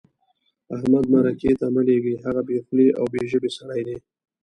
احمد مرکې ته مه لېږئ؛ هغه بې خولې او بې ژبې سړی دی.